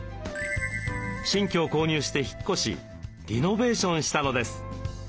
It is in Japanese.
新居を購入して引っ越しリノベーションしたのです。